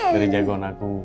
dari jagoan aku